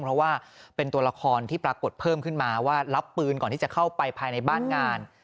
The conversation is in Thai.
เพราะว่าเป็นตัวละครที่ปรากฏเพิ่มขึ้นมาว่ารับปืนก่อนที่จะเข้าไปภายในบ้านงาน